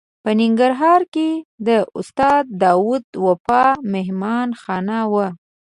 په ننګرهار کې د استاد داود وفا مهمانه خانه وه.